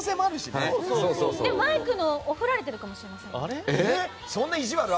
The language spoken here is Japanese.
でもマイクオフられてるかもしれませんよ。